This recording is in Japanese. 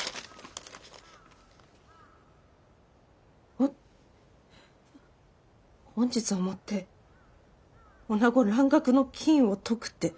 ほ本日をもって「女子蘭学の禁」を解くって。